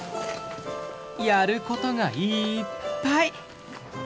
やることがいっぱい！